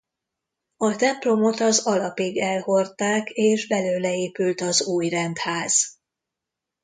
A templomot az alapig elhordták és belőle épült az új rendház.